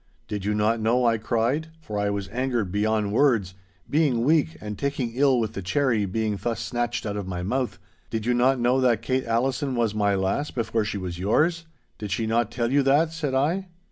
'Did you not know,' I cried, for I was angered beyond words, being weak, and taking ill with the cherry being thus snatched out of my mouth, 'did you not know that Kate Allison was my lass before she was yours? Did she not tell you that?' said I.